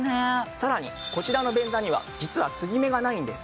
さらにこちらの便座には実は継ぎ目がないんです。